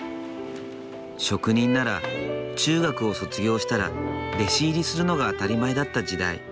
職人なら中学を卒業したら弟子入りするのが当たり前だった時代。